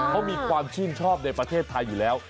เขามีความชื่นชอบในประเทศไทยอยู่แล้ว